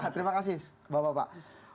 terima kasih bapak bapak